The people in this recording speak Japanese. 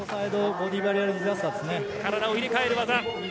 体を入れ替える技。